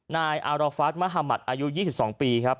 นายอารฟัสมหมัติอายุ๒๒ปีครับ